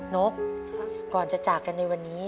นกก่อนจะจากกันในวันนี้